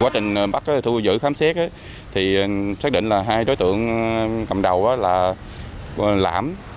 quá trình bắt thu giữ khám xét thì xác định là hai đối tượng cầm đầu là lãm